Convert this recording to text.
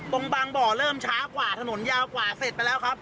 บางบ่อเริ่มช้ากว่าถนนยาวกว่าเสร็จไปแล้วครับ